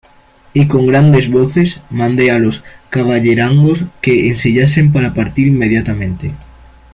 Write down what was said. y con grandes voces mandé a los caballerangos que ensillasen para partir inmediatamente.